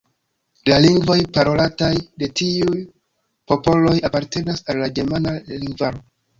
La lingvoj parolataj de tiuj popoloj apartenas al la ĝermana lingvaro.